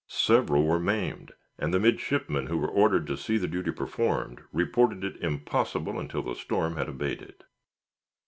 Several were maimed; and the midshipmen who were ordered to see the duty performed reported it impossible, until the storm had abated.